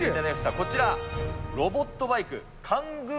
こちら、ロボットバイク、え？